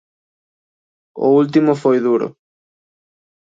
O último foi duro.